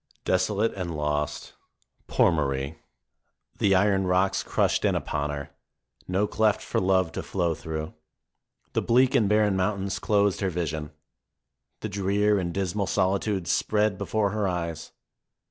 Desolate and lost, poor Marie ! The iron rocks crushed in upon her; no cleft for love to flow through. The bleak and barren mountains closed her vision. The drear and dismal solitudes spread before her eyes.